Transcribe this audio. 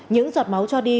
những giọt máu cho đi